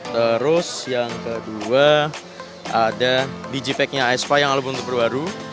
terus yang kedua ada digipacknya aespa yang album terbaru baru